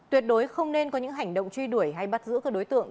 tuyệt đối không nên có những hành động truy đuổi hay bắt giữ các đối tượng